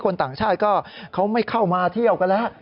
ต่างชาติก็เขาไม่เข้ามาเที่ยวกันแล้ว